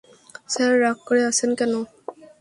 Sir রাগ করে আছেন কেন?